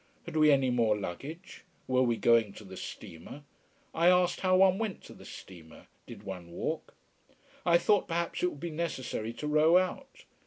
Had we any more luggage were we going to the steamer? I asked how one went to the steamer did one walk? I thought perhaps it would be necessary to row out.